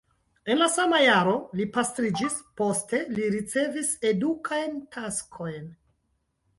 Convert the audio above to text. En la sama jaro li pastriĝis, poste li ricevis edukajn taskojn.